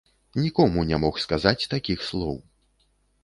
Нікому не мог сказаць такіх слоў.